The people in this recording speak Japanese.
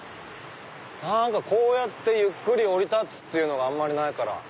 こうやってゆっくり降り立つってあんまりないから。